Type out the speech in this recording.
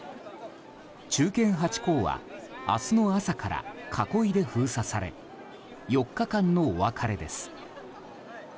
忠犬ハチ公は明日の朝から囲いで封鎖され４日間のお別れです。